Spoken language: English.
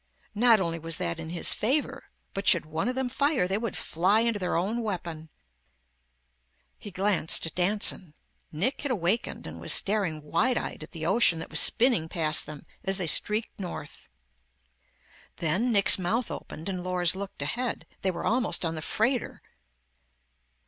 Not only was that in his favor, but should one of them fire, they would fly into their own weapon. He glanced at Danson. Nick had awakened and was staring wide eyed at the ocean that was spinning past them as they streaked north. Then Nick's mouth opened and Lors looked ahead. They were almost on the freighter!